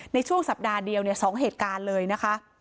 ในช่วงสัปดาห์เดียว๒เหตุการณ์เลยนะคะ